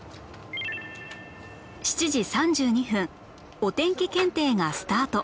７時３２分お天気検定がスタート